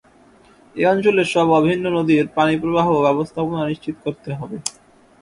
এ অঞ্চলের সব অভিন্ন নদীর পানিপ্রবাহ ও ব্যবস্থাপনা নিশ্চিত করতে হবে।